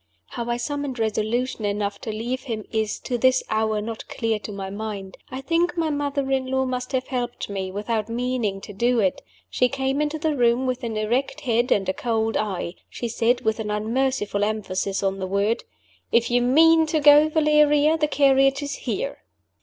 How I summoned resolution enough to leave him is, to this hour, not clear to my mind. I think my mother in law must have helped me, without meaning to do it. She came into the room with an erect head and a cold eye; she said, with an unmerciful emphasis on the word, "If you mean to go, Valeria, the carriage is here."